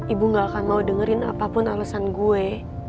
ibu gak akan mau dengerin apapun alasan gue